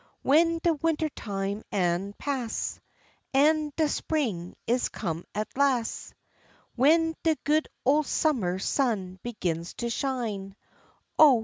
W'en de wintertime am pas' An' de spring is come at las', W'en de good ole summer sun begins to shine; Oh!